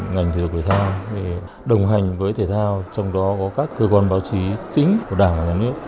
ngành thể dục thể thao đồng hành với thể thao trong đó có các cơ quan báo chí chính của đảng và nhà nước